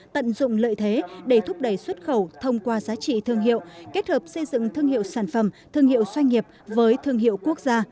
tận dụng lợi thế để thúc đẩy xuất khẩu thông qua giá trị thương hiệu kết hợp xây dựng thương hiệu sản phẩm thương hiệu doanh nghiệp với thương hiệu quốc gia